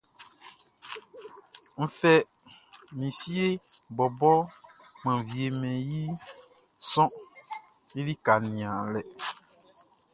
N fɛ, mi fieʼn bɔbɔʼn, mʼan wiemɛn i sɔʼn i lika nianlɛ.